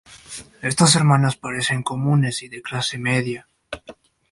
Estas hermanas parecen comunes y de clase media.